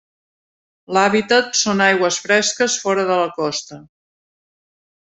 L'hàbitat són aigües fresques fora de la costa.